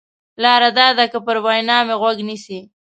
لار دا ده که پر وینا مې غوږ نیسې.